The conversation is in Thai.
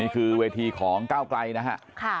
นี่คือเวทีของก้าวไกลนะฮะ